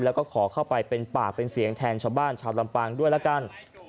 แล้วก็ขอเข้าไปเป็นปากเป็นเสียงแทนชาวบ้านชาวลำปางด้วยละกัน